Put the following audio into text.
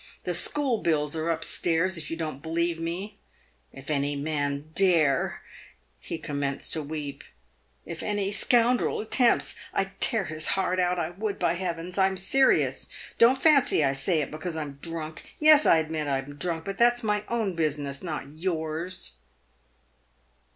The school bills are up stairs if you don't believe me. If any man dare" — he commenced to weep. " If any scoundrel attempts — I'd tear his heart out — I would by Heavens ! I'm serious. Don't fancy I say it be cause I am drunk. Tes, I admit I am drunk, but that's my own bu siness, not yours."